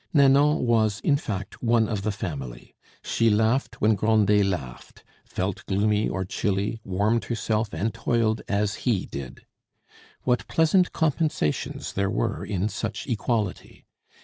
Nanon was, in fact, one of the family; she laughed when Grandet laughed, felt gloomy or chilly, warmed herself, and toiled as he did. What pleasant compensations there were in such equality!